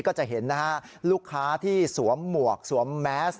ก็จะเห็นนะฮะลูกค้าที่สวมหมวกสวมแมส